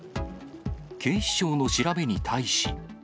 警視庁の調べに対し。